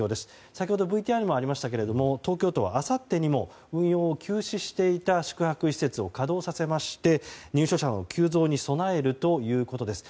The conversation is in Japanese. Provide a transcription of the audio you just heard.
先ほどＶＴＲにもありましたが東京都はあさってにも運用を休止していた宿泊施設を稼働させまして入所者の急増に備えるということです。